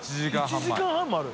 １時間半もある。